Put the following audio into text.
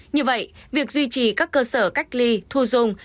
như vậy việc duy trì các cơ sở cách ly thu dung